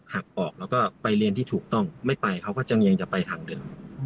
หักออกแล้วก็ไปเรียนที่ถูกต้องไม่ไปเขาก็จะเนียงจะไปทางเดิม